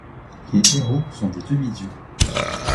Les héros sont des demi-dieux.